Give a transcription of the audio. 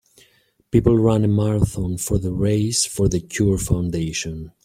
People run a marathon for the Race for the Cure foundation.